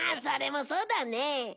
それもそうだね。